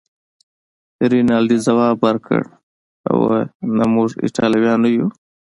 رینالډي ځواب ورکړ: اوه، نه، موږ ایټالویان نه یو.